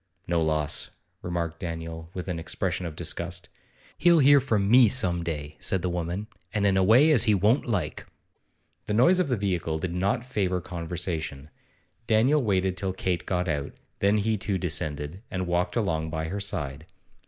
'No loss,' remarked Daniel, with an expression of disgust. 'He'll hear from me some day,' said the woman, 'and in a way as he won't like.' The noise of the vehicle did not favour conversation. Daniel waited till Kate got out, then he too descended, and walked along by her side.